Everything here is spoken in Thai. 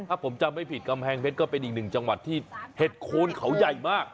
ถ้าผมจำไม่ผิดกำแพงเพชรก็เป็นอีกหนึ่งจังหวัดที่เห็ดโคนเขาใหญ่มาก